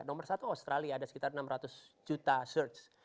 nomor satu australia ada sekitar enam ratus juta search